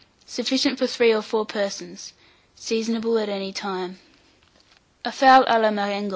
Sufficient for 3 or 4 persons. Seasonable at any time. A FOWL À LA MARENGO.